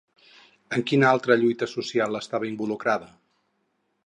En quina altra lluita social estava involucrada?